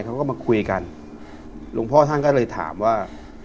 เขาก็มาคุยกันหลวงพ่อท่านก็เลยถามว่า